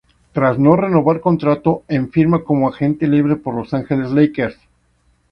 Tras no renovar contrato, en firma como agente libre por Los Angeles Lakers.